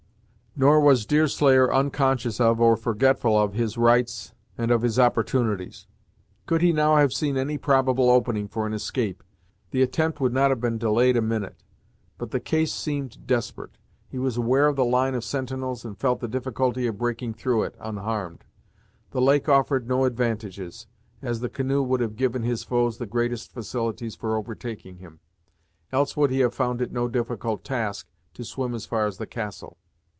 Nor was Deerslayer unconscious of, or forgetful, of his rights and of his opportunities. Could he now have seen any probable opening for an escape, the attempt would not have been delayed a minute. But the case seem'd desperate. He was aware of the line of sentinels, and felt the difficulty of breaking through it, unharmed. The lake offered no advantages, as the canoe would have given his foes the greatest facilities for overtaking him; else would he have found it no difficult task to swim as far as the castle.